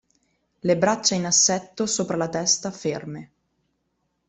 Le braccia in assetto sopra la testa ferme.